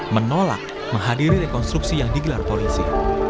menolak menghadiri rekonstruksi yang digelar polisi